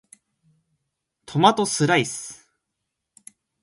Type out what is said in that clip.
トマトスライス